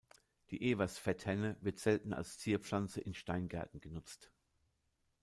Die Ewers-Fetthenne wird selten als Zierpflanze in Steingärten genutzt.